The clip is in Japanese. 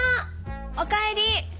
おかえり。